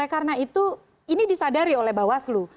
karena itu ini disadari oleh bawaslu